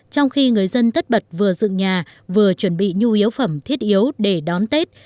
trong khi người dân tất bật vừa dựng nhà vừa chuẩn bị nhu yếu phẩm thiết yếu để đón tết